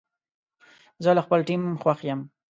زه له خپل ټیم خوښ یم.